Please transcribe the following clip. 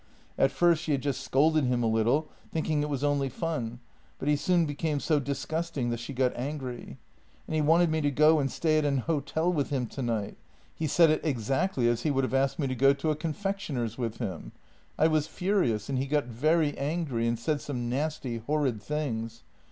At first she had just scolded him a little, thinking it was only fun, but he soon became so disgust ing that she got angry. " And he wanted me to go and stay at an hotel with him tonight. He said it exactly as he would have asked me to go to a confectioner's with him. I was furious, and he got very angry and said some nasty, horrid things."